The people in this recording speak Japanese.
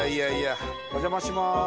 お邪魔しまーす。